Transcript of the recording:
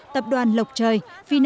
tập đoàn lộc trời